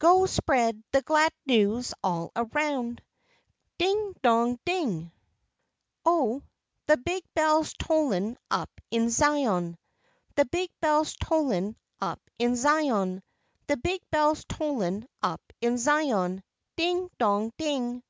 Go spread the glad news all around, Ding, Dong, Ding. Chorus Oh, the big bell's tollin' up in Zion, The big bell's tollin' up in Zion, The big bell's tollin' up in Zion, Ding, Dong, Ding.